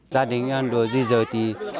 gia đình anh đối di rời thì